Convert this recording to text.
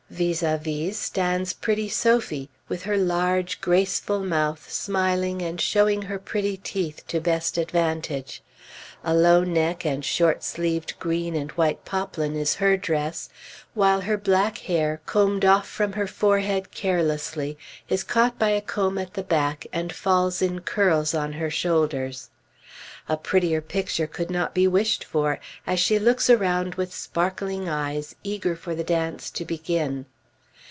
Vis à vis stands pretty Sophie, with her large, graceful mouth smiling and showing her pretty teeth to the best advantage. A low neck and short sleeved green and white poplin is her dress, while her black hair, combed off from her forehead carelessly, is caught by a comb at the back and falls in curls on her shoulders. A prettier picture could not be wished for, as she looks around with sparkling eyes, eager for the dance to begin.